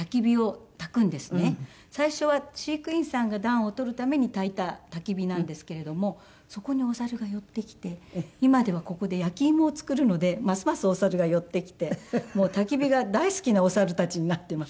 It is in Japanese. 最初は飼育員さんが暖を取るためにたいたたき火なんですけれどもそこにお猿が寄ってきて今ではここで焼き芋を作るのでますますお猿が寄ってきてもうたき火が大好きなお猿たちになっています。